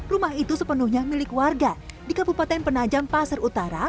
rumah itu sepenuhnya milik warga di kabupaten penajam pasar utara